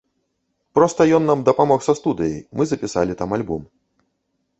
Проста ён нам дапамог са студыяй, мы запісалі там альбом.